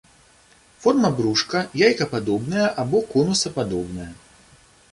Форма брушка яйкападобная або конусападобная.